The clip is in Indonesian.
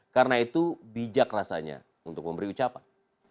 karena itu bijak rasanya untuk memberi ucapan